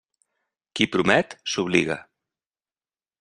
Qui promet, s'obliga.